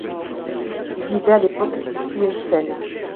Il vivait à l'époque du Pliocène.